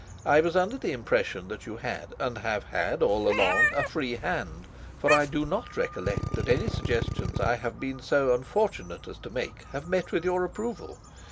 I was under the impression that you had, and have had all along, a "free hand"; for I do not recollect that any suggestions I have been so unfortunate as to make have met with your approval.